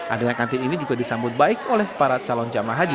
adanya kantin ini juga disambut baik oleh para calon jemaah haji